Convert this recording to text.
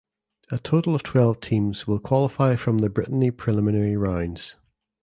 A total of twelve teams will qualify from the Brittany preliminary rounds.